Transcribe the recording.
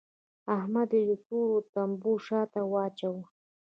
احمد يې د تورو تمبو شا ته واچاوو.